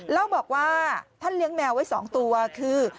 เล่าบอกว่าท่านเลี้ยงแมวไว้๒ตัวคือ